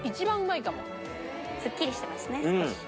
すっきりしてますね少し。